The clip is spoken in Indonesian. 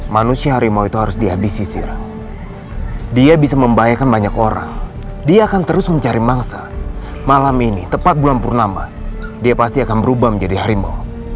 manusia harimau itu harus dihabisi siram dia bisa membahayakan banyak orang dia akan terus mencari mangsa malam ini tepat bulan purnama dia pasti akan berubah menjadi harimau